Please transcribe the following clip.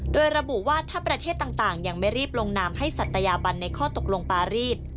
โดยระบุว่าถ้าประเทศต่างยังไม่รีบลงนามให้ศัตยาบันในข้อตกลงปารีส